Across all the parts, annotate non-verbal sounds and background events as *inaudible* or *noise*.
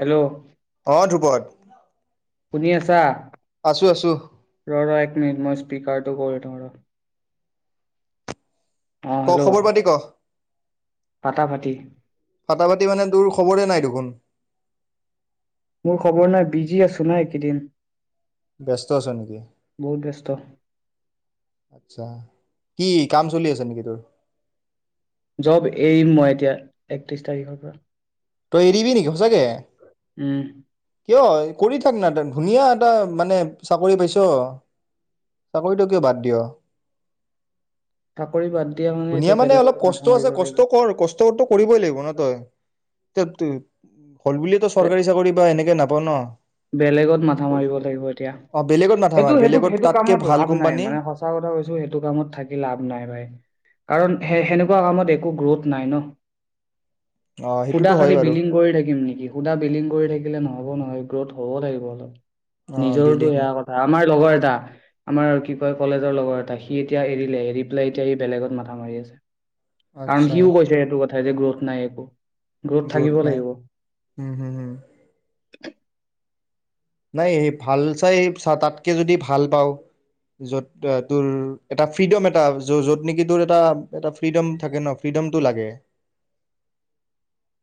Hello শুনি অ', ধ্ৰুৱত। শুনি আছা? ৰ' ৰ' এক মিনিট মই স্পীকাৰ *unintelligible* ক' হেল্ল' খবৰ পাতি ক'। ফাটা ফাটি ফাটা ফাটি মানে তোৰ খৱৰে নাই দেখোন। *inaudible* মোৰ খবৰ নাই বিজি আছো ন' একেদিন। ব্যস্ত আছ নেকি? ব্যস্ত আত্ছা। কি কাম চলি আছে নেকি তোৰ? জব এৰি মই এতিয়া একত্ৰিশ তাৰিখৰ পৰা। তই এৰিবি নেকি? স চাগে, উম কিয় এ? কৰি থাক ন ধুনীয়া এটা মানে চাকৰি পাইছ, চাকৰিটো কিয় বাদ দিয়? চাকৰি বাদ দিয়া ধুনীয়া এতিয়া মানে বেলেগত অলপ মাথা কষ্ট আছে মাৰিব কষ্ট লাগিব কৰ কষ্টটো কৰিবই লাগিব ন তই। *unintelligible* হল বুলিয়েতো বে- চৰকাৰী চাকৰি বা এনেকে নাপ *unintelligible* বেলেগত মাথামাৰিব লাগিব এতিয়া। অ বেলেগত মাথা মাৰ সেইটো বেলেগত সেইটো তাতকে কামত ভাল লাভ নাই কোম্পানী মানে সঁচা কথা কৈছো। সেইটো কামত থাকি লাভ নাই ভাই কাৰণ স সেনেকুৱা তেনেকুৱা কামত একো গ্ৰোথ নাই ন। অ সুধা সেইটোতো হয় খালি বাৰু বিলিং কৰি থাকিম নেকি সুধা বিলিং কৰি থাকিলে নহব নহয়। গ্ৰোথ হব লাগিব অলপ অ নিজৰটো বিলিং সেয়া কথা। আমাৰ লগৰ এটা, আমাৰ কি কয় কলেজৰ লগৰ এটা সি এতিয়া এৰিলে। এৰি পেলাই এতিয়া সি বেলেগত মাথা মাৰি আছে। আচ্ছা *unintelligible* ও কৈছে সেইটো যে গ্ৰখ নাই একো। গ্ৰথ থাকিব নাই লাগিব হম হম হম *inaudible* নাই ভাল চাই, চা, তাতকে যদি ভাল পাওঁ। য'ত, তোৰ এটা ফ্ৰীডম, এটা। য'ত নেকি তোৰ এটা, এটা ফ্ৰীডম থাকে ন? ফ্ৰীডমটো লাগে।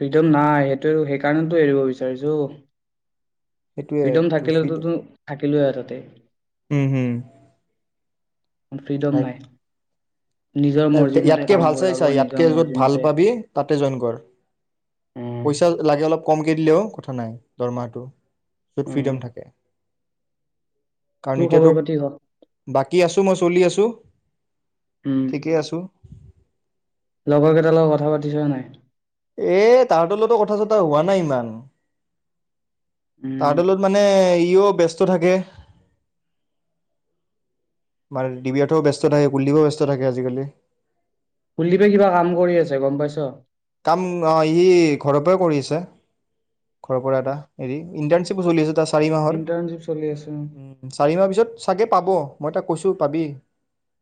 ফ্ৰীডম নাই সেইটোৱে সেইকাৰণেতু এৰিব বিচাৰিছো। সেইটোয়ে ফ্ৰীডম তোৰ থাকিলেটো- ফ্ৰীডম টো থাকিলোৱে হয় তাতে। উম হম কিন্তু ফ্ৰীডম লাইক নাই। নিজৰ মৰ্জি মতে ইয়াতকে কাম ভাল চাই কৰাব চা নিজৰ ইয়াতকে যত মৰ্জি ভাল মতে পাবি তাতে জইন কৰ। উম পইচা লাগে অলপ ক'মকে দিলেও কথা নাই, দৰমহাটো। য'ত উম ফ্ৰিডম থাকে। কাৰণ তোৰ খবৰ এতিয়াতো পাতি ক বাকী আছো মই চলি আছো। উম ঠিকেই আছোঁ। লগৰ কেটাৰ লগত কথা পাতিছ নে নাই? এ তাৰ তলতো কথা চথা হোৱা নাই। টান। তাৰ উম তলত মানে সিও ব্যস্ত থাকে। বাৰ দিব্যাৰ্থও ব্যস্ত থাকে কুলদীপও ব্যস্ত থাকে আজিকালি। কুলদীপে কিবা কাম কৰি আছে গম পাইছ? কাম অ', ই ঘৰৰ পৰাই কৰি আছে। ঘৰৰ পৰা এটা এৰি। ইণ্টাৰ্ণশ্বিপ ও চলি আছে তাৰ চাৰি মাহৰ। ইণ্টাৰ্ণশ্বিপ চলি আছে উম। চাৰি মাহ পিছত চাগে পাব। মই তাক কৈছোঁ পাবি।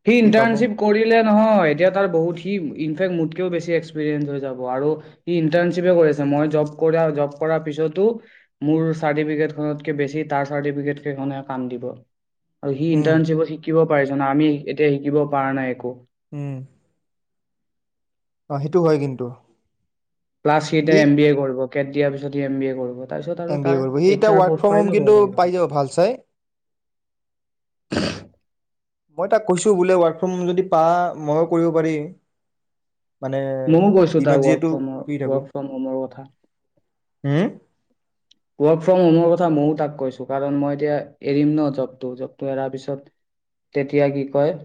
সি ইন্টাৰ্শ্বি কৰিলে নহয় এতিয়া তাৰ বহুত সি ইনেক্ মোতকেও বেছি এক্সপেৰিয়েঞ্চ হৈ যাব আৰু সি ইন্টাৰ্নশিপ হে কৰিছে ম‌ই জব কৰা জব কৰা পিছতো মোৰ চাৰ্টিফিকেটখনতকে বেছি তাৰ চাৰ্টিফিকেট কেইখন হে কাম দিব। আৰু সি উম ইটাৰ্নশিপত শিকিব পাৰি যে আমি এতিয়া শিকিব পৰা নাই একো উম অ সেইটো হয় কিন্তু প্লাছ সি এতিয়া এম বি এ কৰিব। কেট দিয়াৰ পিছত ই এমবিএ কৰিব। তাৰপিছত আৰু এম বি তাৰ এ কৰিব। সি এইচ এতিয়া আৰ ওয়াৰ্ক পষ্ট ফ্ৰম পাই হোম যাব কিন্তু আৰু সি পাই যাব ভাল চাই। মই তাক কৈছোঁ, বোলে ৱৰ্ক ফ্ৰম যদি পা ম‌য়ো কৰিব পাৰি। মানে ময়ো কৈছোঁ দিনত তাৰ ৱৰ্ক যিহেতু ফ্ৰৰ শুই ৱৰ্ক ফ্ৰম হোমৰ কথা উম ওৱাৰ্ক ফ্ৰম হোমৰ কথা ময়ো তাক কৈছোঁ, কাৰণ মই এতিয়া এৰিম ন জবটো। জবটো এৰাৰ পিছত, তেতিয়া কি কয়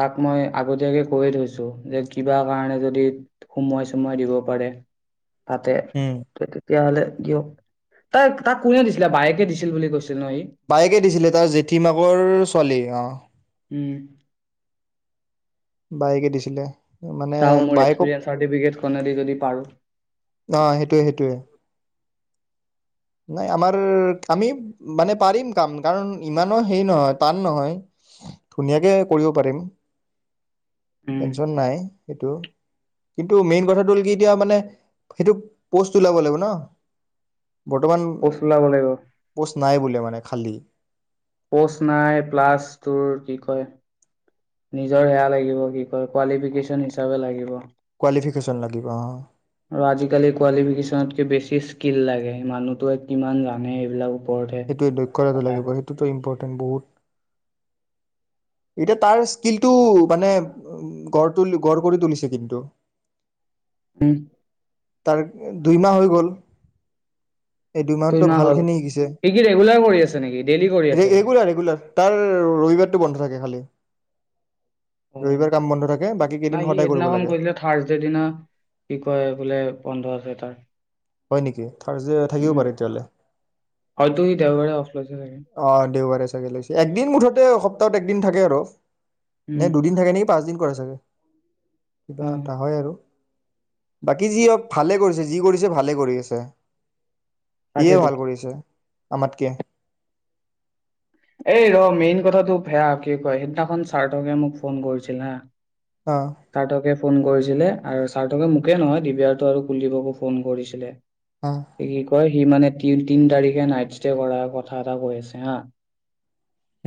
তাক মই আগতীয়াকে কৈয়ে থৈছোঁ, যে কিবা কাৰণে যদি সোমোৱাই-চোমোৱাই দিব পাৰে। তাতে হুম *unintelligible* তেতিয়া হলে কিয় তাই তাক কোনে দিছিলে বায়েকে দিছিল বুলি কৈছিল ন সি বায়েকে দিছিলে তাৰ জেঠী মাকৰ ছোৱালী অ উম। বায়েকে দিছিলে। মানে চাওঁ, মোৰ বায়েকক এক্সপিৰিয়েঞ্চ চাৰ্টিফিকেটখনে দি যদি পাৰোঁ। অ সেইটোৱে সেইটোৱে নাই আমাৰ, আমি মানে পাৰিম কাম, কাৰণ ইমানো সেই নহয়, টান নহয়। ধুনীয়াকে কৰিব পাৰিম। উম টেনশন নাই, সেইটো কিন্তু মেইন কথাটো হ'ল কি এতিয়া মানে, সেইটো প'ষ্ট ওলাব লাগিব ন? বৰ্তমান পষ্ট ওলাব লাগিব পোষ্ট নাই বোলে, মানে। খালি পষ্ট নাই প্লাছ তুৰ কি কয় নিজৰ সেয়া লাগিব কি কয় কোৱালিফিকেশ্যন হিচাপে লাগিব কোৱালিফিকেশন লাগিব অ অ আজিকালি কোৱালিফিকেচনতকে বেছি স্কিল লাগে, মানুহটোৱে কিমান জানে এইবিলাক ওপৰতহে সেইটোৱে দক্ষতাটো কথা লাগিব, সেইটোতো ইম্পৰ বহুত এতিয়া তাৰ স্কিলটো মানে গৰ্ত *unintelligible* তুলু গঢ় কৰি তুলিছে কিন্তু। উম। তাৰ দুই মাহ হৈ গ'ল এই দুই দুইমাহতো মাহ হল ভালখিনি শিকিছে সি কি ৰেগুলাৰ কৰি আছে নেকি ডেইলি কৰি ৰে আছে ৰেগুলাৰ ৰেগুলাৰ তাৰ ৰবিবাৰটো বন্ধ থাকে খালি। ৰবিবাৰ অ', কাম বন্ধ থাকে বাকী কেইদিন নাই সি সদায় কৰিব সেইদিনাখন লাগে কৈছিলে থাৰ্ছডে দিনা কি কয় বোলে বন্ধ আছে তাৰ হয় নেকি, থাৰ্চদে থাকিব উম পাৰে তেতিয়াহলে হয়তো সি দেওবাৰে অফ লৈছে চাগে অ দেওবাৰে চাগে লাগছে একদিন মুঠতে *inaudible* তাত একদিন থাকে আৰু উম নে দুদিন থাকে নি পাঁচ দিন কৰে চাগে কিবা অ এটা হয় আৰু বাকী যি হক ভালে কৰিছে যি কৰিছে ভালে কৰি আছে সিয়ে তাকেতো ভাল কৰিছে আমাতকে এই ৰ মেইন কথাটো সেয়া কি কয় সিদিনাখন চাৰ্থকে মোক ফোন কৰিছিল অ হা *unintelligible* ফোন কৰি ছিলে আৰু চাৰথকে মোকে নহয় দিবাৰ্থ আৰু কুলদ্বীপকো ফোন কৰিছিলে অ সি কি কয় সি মানে তি তিন তাৰিখে নাইট ষ্টে কৰাৰ কথা এটা কৈ আছে হা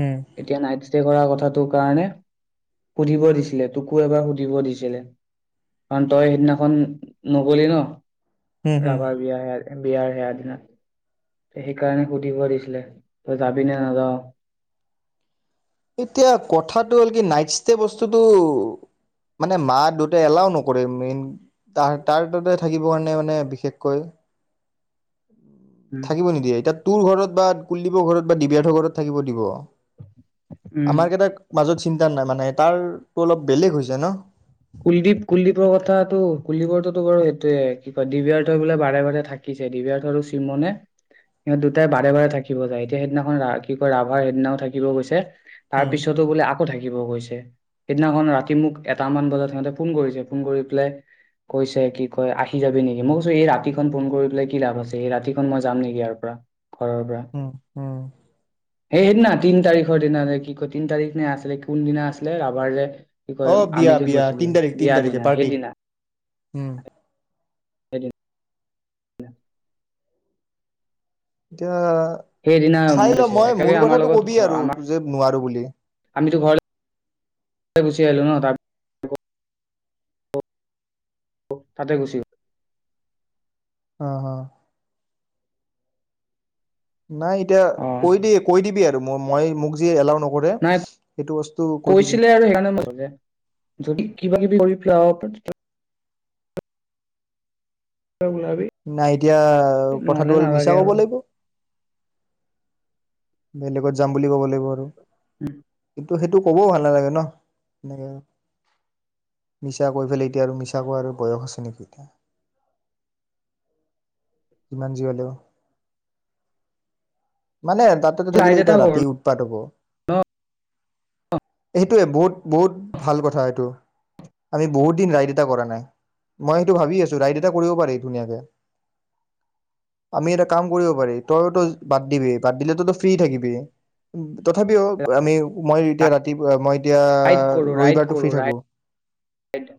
উম এতিয়া নাইটছ ষ্টে কৰা কথাটোৰ কাৰণে সুধিব দিছিলে তোকো এবাৰ সুধিব দিছিলে কাৰণ তই সেইদিনাখন নগলি ন হম হম ৰাভাৰ বিয়া হে। এ বিয়াৰ হেয়াৰ দিনা সেইকাৰণে সুধিব দিছিলে তই যাবি নে নাযাওঁ এতিয়া কথাটো হল কি নাইট ষ্টে বস্তুটো মানে মা দেউটাই এলাও নকৰে মেইন তাৰ-তাৰ তাতে থাকিব কাৰণে মানে বিশেষকৈ উম থাকিব নিদিয়ে এতিয়া তোৰ ঘৰত বা কুলদ্বীপৰ ঘৰত বা ডিবাহতৰ ঘৰত থাকিব দিব। উম আমাৰ কেইটাক মাজত চিন্তা নাই মানে তাৰটো অলপ বেলেগ হৈছে ন কুলদ্বীপ কুলদ্বীপৰ কথাটো কুলদ্বীপৰটোটো বাৰু সেইটোৱে কি কয় দিবিয়াৰথই বোলে বাৰে বাৰে থাকিছে। দিবিয়াৰথ আৰু চিমনে সিহঁত দুটাই বাৰে বাৰে থাকিব যায়। এতিয়া সেইদিনাখন ৰা কি কয় ৰাভা সেইদিনাও থাকিব গৈছে। তাৰ উম পিছতো বোলে আ ক থাকিব কৈছে সেইদনাখন ৰাতি মোক এটা মান বাজাত সিহঁতে ফোন কৰিছে ফোন কৰি পেলাই কৈছে কি কয় আহি যাবি নেকি মই কৈছো এই ৰাতিখন ফোন কৰি পেলাই কি লাভ আছে এই ৰাতিখন মই যাম নেকি ইয়াৰ পৰা ঘৰৰ পৰা ও ও সেই সদিনা তিন তাৰিখৰ দিনা নে কি কয় তিনি তাৰিখ নে আছিল নে কোন দিনা আছিলে ৰাভাৰযে কি অ কয়, বিয়া আমি যে বিয়া গৈছো তিন তাৰিখ-তিন তাৰিখে পাৰ্টি উম সেইটো এতিয়া সেইদিনা চাই ল গৈছে মই একেলগে মোৰ আমাৰ কথাটো লগত কবি ঘৰ আৰু আমাৰ যে নোৱাৰো বুলি আমিতো ঘৰলে গুচি আহিলো ন তাৰ *inaudible* তাতে গুচি আহ হ নাই এতিয়া গ'ল কৈ অ দি কৈ দিবি আ মই মোক জি *unintelligible* নাই, কৈছিলে আৰু সেইকাৰণে *unintelligible* যদি কিবা কিবি কৰি প ওলাবি নাই এতিয়া কথাটো নহ'লে হল মিছা নালাগে কব আৰু লাগিব *inaudible* যাম বুলি কব লাগিব আৰু ত সেইটো কবও ভাল নালাগে ন? এনেকে মিছা কৈ ফালে এতিয়া আৰু মিছা কোৱা আৰু বয়স আছে নেকি এতিয়া যিমান যি হলেও, মানে তাতে থাকিলে ৰাইড এটা এতিয়া কৰো ৰাতি ন উৎপাত হব সেইটোৱে বহুত বহুত ভাল কথা এইটো, আমি বহুত দিন ৰাইড এটা কৰা নাই, মই সেইটো ভাবি আছো ৰাইড এটা কৰিব পাৰি ধুনীয়াকে আমি এটা কাম কৰিব পাৰি তইতো বাদ দিবি বাদ দিলেতো ফ্ৰী থাকিবি তথাপিও আমি মই এতিয়া ৰাতি মই এতিয়া ৰাইড কৰো ৰাইড ৰবিবাৰটো কৰো ফ্ৰী থাকোঁ। ৰাইড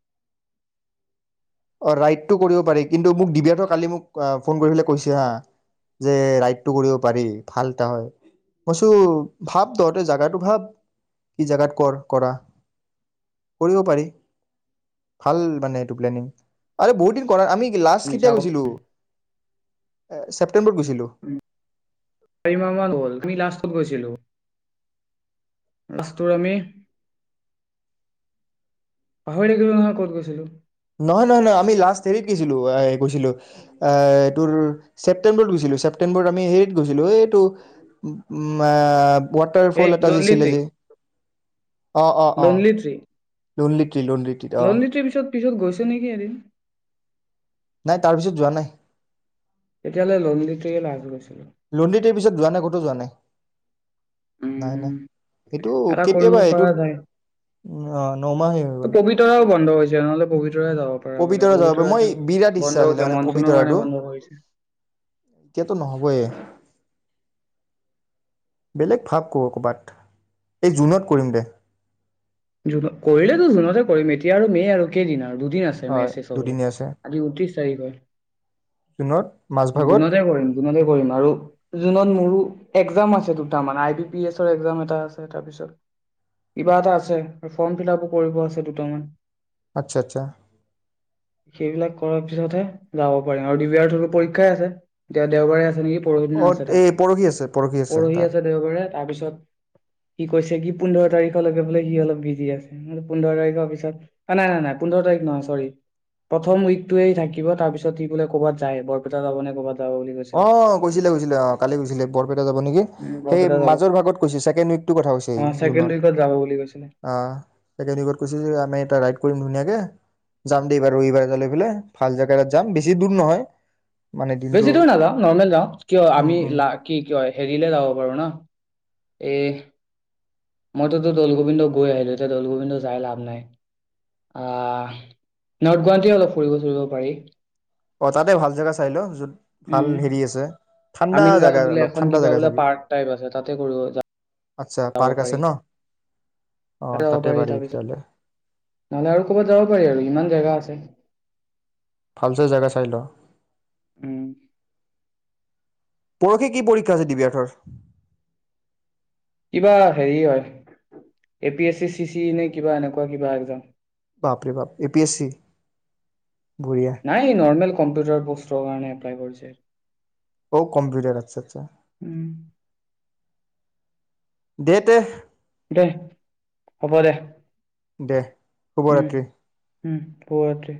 অ ৰাইডটো কৰিব পাৰি কিন্তু মোক দিব্যাতো কালি মোক ফোন কৰি পেলাই কৈছে হা যে ৰাইডটো কৰিব পাৰি ভাল এটা হয় মই কইছো ভাব তহঁতে জাগাটো ভাব কি জাগাত কৰ কৰা কৰিব পাৰি ভাল মানে এইটো প্লেনিং আৰু বহুত দিন কৰাৰ আমি লাষ্ট মিছা কেতিয়া ক গৈছিলো? এ *unintelligible* চাৰি মাহ‌ মান হল আমি লাষ্ট ক'ত গৈছিলোঁ? লাষ্টোৰ আমি পাহৰি থাকিলোঁ নহয় ক'ত গৈছিলোঁ। নহয় নহয় নহয় আমি লাষ্ট হেৰিত গৈছিলো, এ গৈছিলোঁ এ-এইটোৰ ছেপ্টেম্বৰত গৈছিলোঁ ছেপ্টেম্বৰত আমি হেৰিত গৈছিলোঁ এইটো উম এএএ ৱাটাৰ এই ফল এটা লনলি আছিলে ট্ৰি যি অ অ অ লনলি ট্ৰি *unintelligible* তি লণ্ডীতিত অ লনলি ট্ৰিৰ পিছত পিছত গৈছো নেকি এদিন নাই তাৰ পিছত যোৱা নাই তেতিয়া হ'লে লণ্ডীতেয়ে লাস্ট গৈছিলো লনলি ট্ৰিৰ পিছত যোৱা নাই *inaudible* নাই নাই উম এইটো এটা কৰিব কেতিয়াবা এইটোত পৰা যায় নমাহে হৈ গ'ল ত পবিতৰাও বন্ধ হৈছে নহ'লে পবিতৰা যাব পৰা গ'লে পবিতৰা যাব প মই এটা বিৰাট ইচ্ছা বন্ধ আছিলে হৈছে মানে মনচুনৰ কাৰণে পবিতৰাটো। বন্ধ কৰিছে এতিয়াতো নহবয়ে বেলেগ ভাৱ ক ক'ৰবাত এই জুনত কৰিম দে জুন কৰিলেতো জুনতে কৰিম, এতিয়া আৰু মে আৰু কেইদিন আৰু দুদিন আছে মেছ হয় চেচ হবলৈ। দুদিনীয়া আছে আজি ঊনত্ৰিশ তাৰিখ হ'ল। জুনত মাজভাগত জুনতে কৰিম, জুনতে কৰিম আৰু জুনত মোৰো একজাম আছে দুটামান, আই বি পি এছৰ একজাম এটা আছে, তাৰপিছত কিবা এটা আছে। ফৰ্ম ফিলআপ ও কৰিব আছে দুটামান। আচ্ছা, আচ্ছা। সেইবিলাক কৰাৰ পিছতহে যাব পাৰিম আৰু দিবিয়াৰ্থৰো পৰীক্ষাই আছে, দে-দেওবাৰে আছে নেকি? পৰহি অ দিনা আছে তাৰ। এই পৰহি আছে পৰহি তাৰ আছে দেওবাৰে, তাৰপিছত হি কৈছে কি, পোন্ধৰ তাৰিখলৈকে বোলে সি অলপ বিজি আছে, মোৰ পোন্ধৰ তাৰিখৰ পিছত, নাই-নাই-নাই পোন্ধৰ তাৰিখ নহয়, চৰি প্ৰথম উইকটোৱে থাকিব, তাৰ পিছত সি বোলে ক'বাত যায়, বৰপেটাত যাব নে ক'বাত অ কৈছিলে কৈছিলে অ কালি গৈছিলে বৰপেটা যাব নেকি উম সেই বৰপেটা যাব মাজৰ ভাগত কৈছিল ছেকেণ্ড উইকটোৰ কথা কৈছে স অ ছেকেণ্ড জুনৰ উইকত যাব বুলি কৈছিলে অ তাকে কৈছে যে আমি এটা ৰাইড কৰিম ধুনীয়াকে যাম দেই বাৰু এইবাৰ লৈ পেলে ভাল জেগা এ তাত যাম বেছি দূৰ নহয় মানে দিনটো বেছি দূৰ নাযাওঁ নৰ্মেল যাওঁ, কিয় আমি উম উম লা, কি কিয় হেৰিলে যাব পাৰো ন'! এহ, মইতো তো দৌল গোবিন্দ গৈ আহিলো এতিয়া দৌল গোবিন্দ যাই লাভ নাই। আহ, নৰ্থ গুৱাহাটী অলপ ফুৰিব চুৰিব পাৰি। অ' তাতে ভাল জেগা চাই ল। য'ত ভাল উম, হেৰি আছে ঠাণ্ডা আমিনগাঁৱত জেগা বোলে অলপ এখন ঠাণ্ডা কিবা জেগা বোলে চাবি পাৰ্ক টাইপ আছে, তাতে কৰিব যা আচ্ছা যাব পাৰ্ক আছে পাৰি। ন অ তাতে যাব তাতে পাৰি, তাৰপিছত, তেতিয়াহ'লে নহলে আৰু ক'বাত যাব পাৰি আৰু ইমান জেগা আছে! ভাল চাই জেগা চাই ল। উম। পৰখি কি পৰীক্ষা আছে, দিবিয়াৰ্থৰ? কিবা হেৰি হয়, A P S C, C C নে কিবা এনেকুৱা কিবা একজাম। বাপৰে বাপ, এ পি এছ চি! বঢ়িয়া নাই, নৰ্মেল কম্পিউটাৰ প'ষ্টৰ কাৰণে *unintelligible* ঔ, কম্পিউটাৰ। আচ্ছা, আচ্ছা। উম। দে তে দেহ, হ'ব দে দেহ, উম, শুভৰাত্ৰি। উম, শুভৰাত্ৰি।